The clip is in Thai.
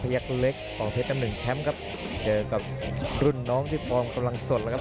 ยักษ์เล็กของเพชรน้ำหนึ่งแชมป์ครับเจอกับรุ่นน้องที่ฟอร์มกำลังสดแล้วครับ